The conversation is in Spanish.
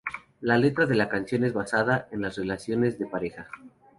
La letra de la canción es basada en las relaciones de pareja.